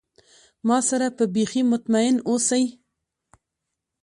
ما سره به بیخي مطمئن اوسی.